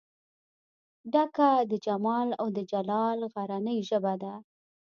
ډکه د جمال او دجلال غرنۍ ژبه ده